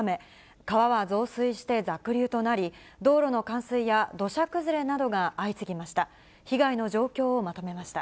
川は増水して濁流となり、道路の冠水や土砂崩れなどが相次ぎました。